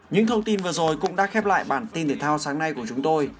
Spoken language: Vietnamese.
những thông tin vừa rồi cũng đã khép lại bản tin thể thao sáng nay của chúng tôi